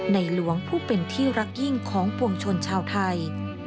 หลวงผู้เป็นที่รักยิ่งของปวงชนชาวไทย